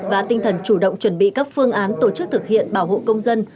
và tinh thần chủ động chuẩn bị các phương án tổ chức thực hiện bảo hộ công dân